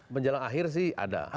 menjelang akhir sih ada